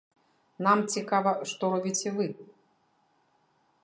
Нам цікава, што робіце вы.